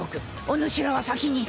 お主らは先に。